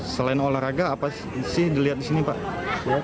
selain olahraga apa sih dilihat di sini pak